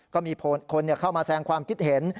ก็มีคนเข้ามาแสงความคิดเห็น